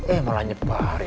eh malah nyebarin